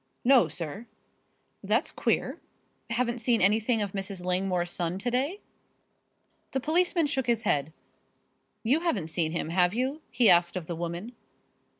"No, sir." "That's queer. Haven't seen anything of Mrs. Langmore's son to day?" The policeman shook his head. "You haven't seen him, have you?" he asked of the woman.